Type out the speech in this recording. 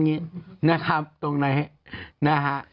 นี่ตรงไหน